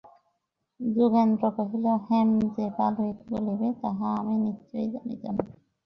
যোগেন্দ্র কহিল, হেম যে ভালোই বলিবে, তাহা আমি নিশ্চয় জানিতাম।